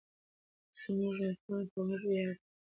زموږ نسلونه به پر موږ وویاړي.